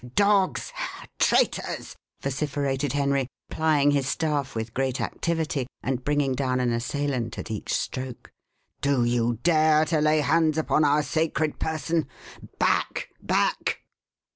"Ha! dogs ha! traitors!" vociferated Henry, plying his staff with great activity, and bringing down an assailant at each stroke; "do you dare to lay hands upon our sacred person? Back! back!"